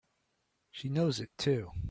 She knows it too!